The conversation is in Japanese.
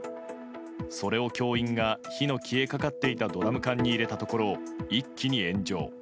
それを教員が火の消えかかっていたドラム缶に入れたところ一気に炎上。